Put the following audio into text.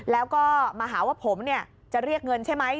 แล้วก็มาหาว่าผมจะเรียกเงินใช่ไหม